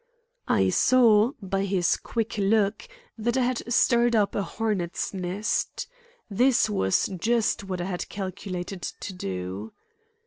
I saw, by his quick look, that I had stirred up a hornets' nest. This was just what I had calculated to do.